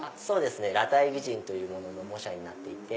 『裸体美人』というものの模写になっていて。